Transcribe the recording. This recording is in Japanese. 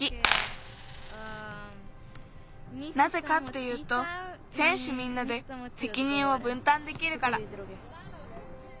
なぜかっていうとせんしゅみんなでせきにんをぶんたんできるから。